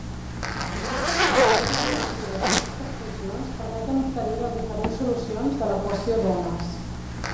Les possibles tries d'aquestes funcions permeten obtenir les diferents solucions de l'equació d'ones.